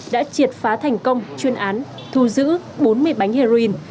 đã triệt phá thành công chuyên án thu giữ bốn mươi bánh heroin